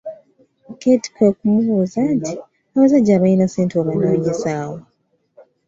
Keeti kwe kumubuuza nti, “Abasajja abalina ssente obanoonyeza wa?